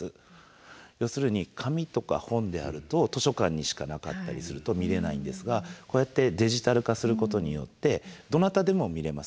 要するに紙とか本であると図書館にしかなかったりすると見れないんですがこうやってデジタル化することによってどなたでも見れます。